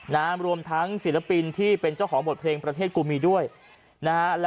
รวมทั้งศิลปินที่เป็นเจ้าของบทเพลงประเทศกูมีด้วยนะฮะ